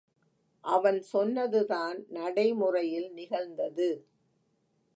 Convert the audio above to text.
அவன் சொன்னதுதான் நடைமுறையில் நிகழ்ந்தது.